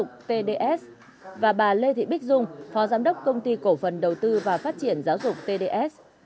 công ty cổ phần đầu tư và phát triển giáo dục tds và bà lê thị bích dung phó giám đốc công ty cổ phần đầu tư và phát triển giáo dục tds